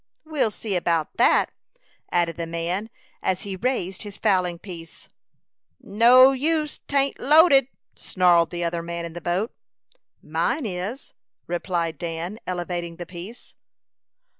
"We'll see about that," added the man, as he raised his fowling piece. "No use, 'tain't loaded," snarled the other man in the boat. "Mine is," replied Dan, elevating the piece.